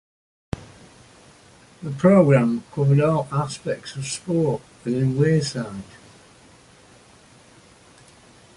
The programme covered all aspects of sport within Wearside.